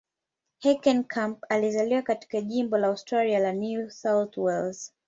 Heckenkamp alizaliwa katika jimbo la Australia la New South Wales.